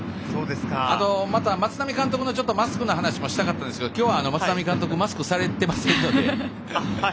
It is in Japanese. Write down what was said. あと、松波監督のマスクの話もしたかったんですけど今日は松波監督マスクされていませんので。